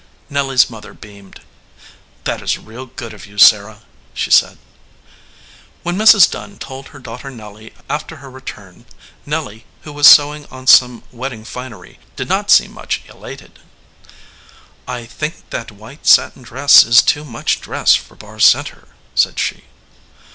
Nelly s mother beamed. "That is real good of you, Sarah," she said. When Mrs. Dunn told her daughter Nelly after her return, Nelly, who was sewing on some wed ding finery, did not seem much elated. "I think that white satin dress is too much dress 1 for Barr Center," said she.